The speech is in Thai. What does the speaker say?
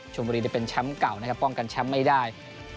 บุรีเป็นแชมป์เก่านะครับป้องกันแชมป์ไม่ได้